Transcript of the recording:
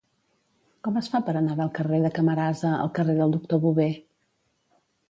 Com es fa per anar del carrer de Camarasa al carrer del Doctor Bové?